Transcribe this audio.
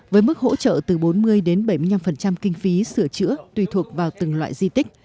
với mức hỗ trợ từ bốn mươi đến bảy mươi năm kinh phí sửa chữa tùy thuộc vào từng loại di tích